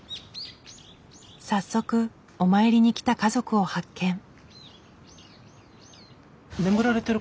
早速お参りに来た家族を発見。